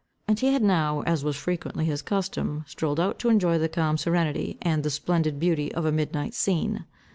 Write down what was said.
And he had now, as was frequently his custom, strolled out to enjoy the calm serenity, and the splendid beauty, of a midnight scene.